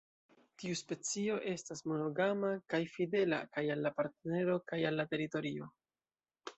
Tiu specio estas monogama kaj fidela kaj al partnero kaj al teritorio.